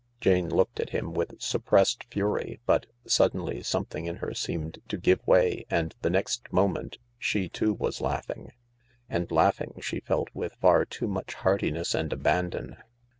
Jane looked at him with suppressed fury, but suddenly something in her seemed to give way, and the next moment she too was laughing — and laughing, she felt, with far too much heartiness and abandon.